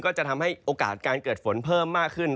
ก็จะทำให้โอกาสการเกิดฝนเพิ่มมากขึ้น